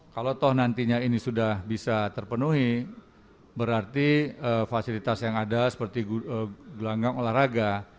kalau toh nantinya ini sudah bisa terpenuhi berarti fasilitas yang ada seperti gelanggang olahraga